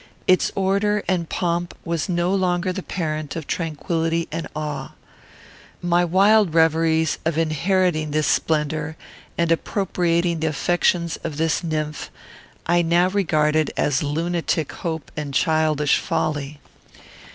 Its order and pomp was no longer the parent of tranquillity and awe. My wild reveries of inheriting this splendour and appropriating the affections of this nymph, I now regarded as lunatic hope and childish folly.